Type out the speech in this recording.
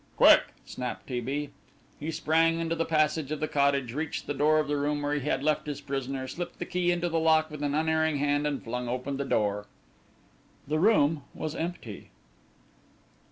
"Quick!" snapped T. B. He sprang into the passage of the cottage, reached the door of the room where he had left his prisoner, slipped the key in the lock with an unerring hand and flung open the door. The room was empty.